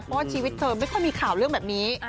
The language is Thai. เพราะว่าชีวิตเธอไม่ค่อยมีข่าวเรื่องแบบนี้